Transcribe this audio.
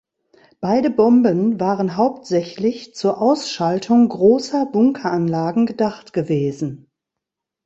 Beide Bomben waren hauptsächlich zur Ausschaltung großer Bunkeranlagen gedacht gewesen.